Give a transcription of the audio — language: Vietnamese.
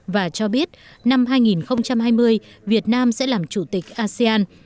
và cho biết năm hai nghìn hai mươi việt nam sẽ làm chủ tịch asean